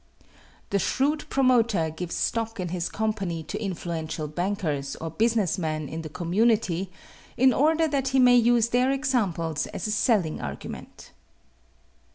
The shrewd promoter gives stock in his company to influential bankers or business men in the community in order that he may use their examples as a selling argument.